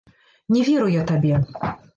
Не веру я табе!